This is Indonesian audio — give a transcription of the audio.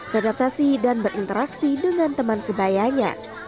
beradaptasi dan berinteraksi dengan teman sebayanya